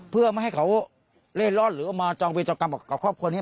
เพื่อไม่ให้เขาเล่นรอดหรือมาจองเวตเจ้ากับครอบครัวนี้